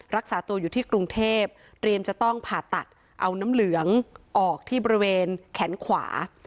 รักษาตัวอยู่ที่กรุงเทพเตรียมจะต้องผ่าตัดเอาน้ำเหลืองออกที่บริเวณแขนขวา